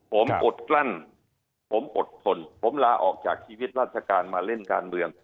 ผมอดกลั้นผมอดทนผมลาออกจากชีวิตราชการมาเล่นการเมือง